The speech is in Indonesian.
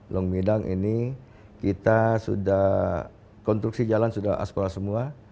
long midang ini kita sudah konstruksi jalan sudah aspal semua